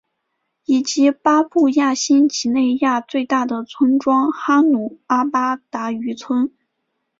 以及巴布亚新几内亚最大的村庄哈努阿巴达渔村。